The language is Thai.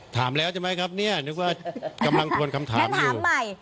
ถามแล้วใช่ไหมครับเนี่ยนึกว่ากำลังทวนคำถามอยู่